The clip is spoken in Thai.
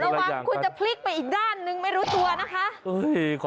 ระวังคุณจะพลิกไปอีกด้านนึงไม่รู้ตัวนะคะ